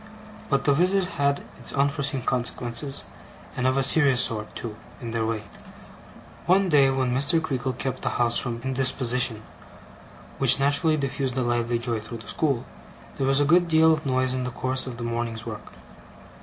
But the visit had its unforeseen consequences; and of a serious sort, too, in their way. One day when Mr. Creakle kept the house from indisposition, which naturally diffused a lively joy through the school, there was a good deal of noise in the course of the morning's work.